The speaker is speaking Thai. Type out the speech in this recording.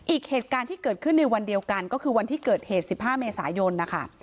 อีกเหตุการณ์ที่เกิดขึ้นในวันเดียวกันก็คือวันที่เกิดเหตุ๑๕เมษายนนะคะ